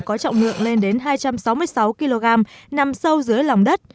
có trọng lượng lên đến hai trăm sáu mươi sáu kg nằm sâu dưới lòng đất